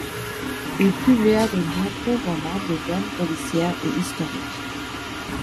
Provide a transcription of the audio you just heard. Il publia de nombreux romans de veine policière et historique.